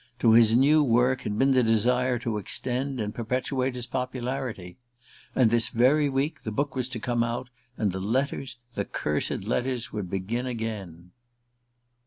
to his new work had been the desire to extend and perpetuate his popularity. And this very week the book was to come out, and the letters, the cursed letters, would begin again!